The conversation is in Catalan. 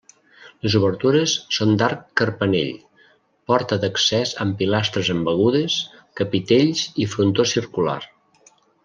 Les obertures són d'arc carpanell, porta d'accés amb pilastres embegudes, capitells i frontó circular.